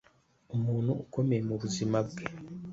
umuntu ukomeye mu buzima bwe.